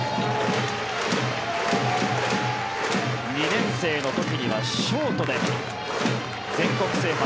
２年生の時にはショートで全国制覇。